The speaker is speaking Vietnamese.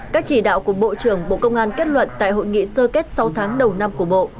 các chỉ đạo của bộ trưởng bộ công an kết luận tại hội nghị sơ kết sáu tháng đầu năm của bộ